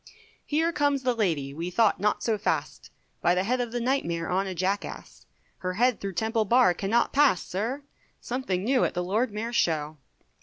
Here comes the lady, we thought not so fast, By the side of the Night Mayor on a jackass; Her head through Temple Bar cannot pass, sir, Something new at the Lord Mayor's Show.